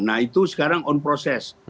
nah itu sekarang on process